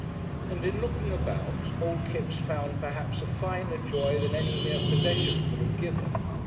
And in looking about old Kipps found perhaps a finer joy than any mere possession could have given.